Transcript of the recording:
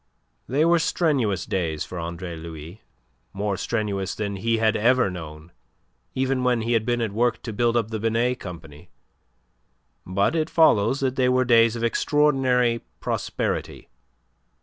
They were strenuous days for Andre Louis, more strenuous than he had ever known, even when he had been at work to build up the Binet Company; but it follows that they were days of extraordinary prosperity.